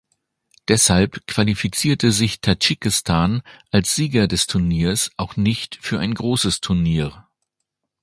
Deshalb qualifizierte sich Tadschikistan, als Sieger des Turniers, auch nicht für ein großes Turnier.